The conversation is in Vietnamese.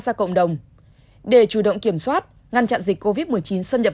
ra cộng đồng để chủ động kiểm soát ngăn chặn dịch covid một mươi chín xâm nhập